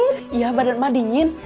iya badan mak dingin